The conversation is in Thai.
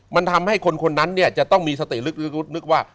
มันทำให้คนคนนั้นเนี่ยจะต้องมีสติลึกนึกว่า